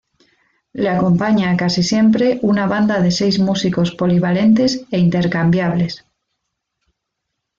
Le acompaña casi siempre una banda de seis músicos polivalentes e intercambiables.